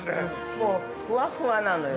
◆もうふわふわなのよ。